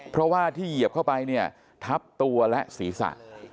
เพราะว่าที่เหยียบเข้าไปเนี่ยทับตัวและศีรษะ